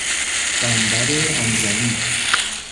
بندر انزلی